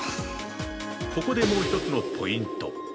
ここでもう一つのポイント！